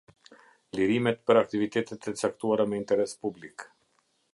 Lirimet për aktivitetet e caktuara me interes publik.